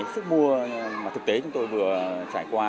sức mua mà thực tế chúng tôi vừa trải qua